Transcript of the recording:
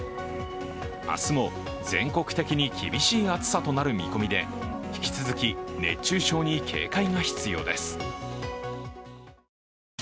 明日も全国的に厳しい暑さとなる見込みで引き続き熱中症に警戒が必要です。